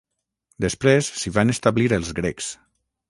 Després s'hi van establir els grecs.